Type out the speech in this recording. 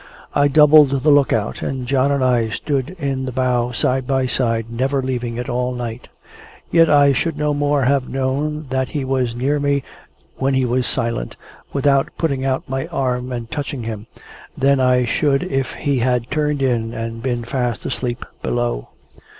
I doubled the look out, and John and I stood in the bow side by side, never leaving it all night. Yet I should no more have known that he was near me when he was silent, without putting out my arm and touching him, than I should if he had turned in and been fast asleep below.